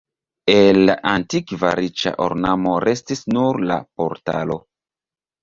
El la antikva riĉa ornamo restis nur la portalo.